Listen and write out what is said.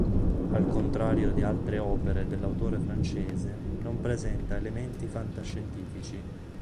Al contrario di altre opere dell'autore francese non presenta elementi fantascientifici.